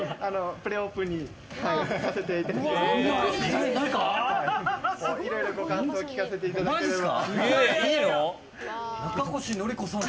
プレオープンにさせていただければと。